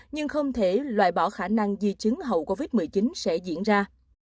nhưng không thể loại bỏ khả năng di chứng hậu covid một mươi chín sẽ diễn ra